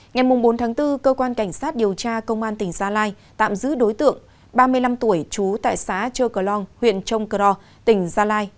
ngày bốn tháng bốn cơ quan cảnh sát điều tra công an tỉnh gia lai tạm giữ đối tượng ba mươi năm tuổi chú tại xã chơ cờ long huyện trông cờ rò tỉnh gia lai